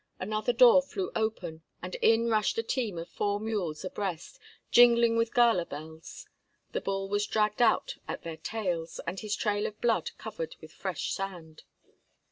Another door flew open and in rushed a team of four mules abreast, jingling with gala bells. The bull was dragged out at their tails, and his trail of blood covered with fresh sand.